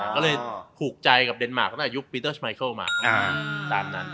ก็เลยผูกใจกับเดนมาร์คตั้งแต่ยุคปีเตอร์สไมเคิลมาตามนั้น